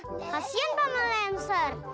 kasian pak melenser